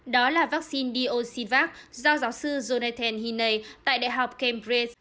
đó là vaccine d o sinvac do giáo sư jonathan hiney tại đại học cambridge